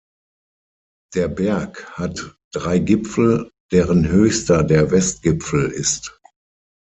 Der Berg hat drei Gipfel, deren höchster der Westgipfel ist.